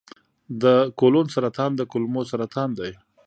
د کولون سرطان د کولمو سرطان دی.